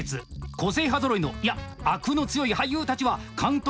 個性派ぞろいのいやあくの強い俳優たちは監督